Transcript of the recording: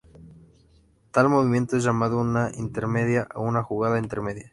Tal movimiento es llamado una "intermedia" o una "jugada intermedia".